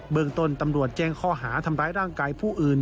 เมืองต้นตำรวจแจ้งข้อหาทำร้ายร่างกายผู้อื่น